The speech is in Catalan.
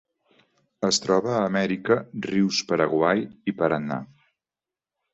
Es troba a Amèrica: rius Paraguai i Paranà.